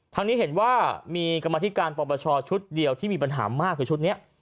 ทางนี้เห็นว่ามีกรรมธิการปรปชชุดเดียวที่มีปัญหามากคือชุดนี้